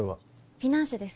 フィナンシェです